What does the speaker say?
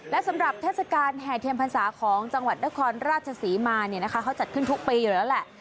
และสำหรับเทศกาลแห่เทียนพรรษาของจังหวัดนครราชศรีมาเนี่ยนะคะเขาจัดขึ้นทุกปีอยู่แล้วแหละ